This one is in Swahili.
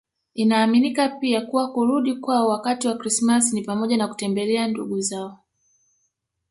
Inaaminika pia kuwa kurudi kwao wakati wa Krismasi ni pamoja na kutembelea ndugu zao